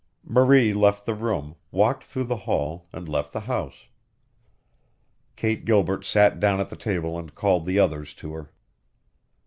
Marie left the room, walked through the hall, and left the house. Kate Gilbert sat down at the table and called the others to her.